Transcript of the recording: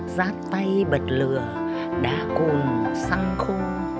giáp tay bật lửa đá cùn xăng khô